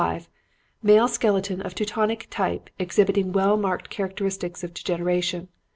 Male skeleton of Teutonic type exhibiting well marked characters of degeneration.